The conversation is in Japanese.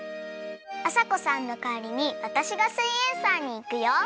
あさこさんのかわりにわたしが「すイエんサー」にいくよ！